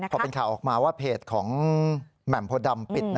พอเป็นข่าวออกมาว่าเพจของแหม่มโพดำปิด